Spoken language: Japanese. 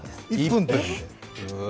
１分です。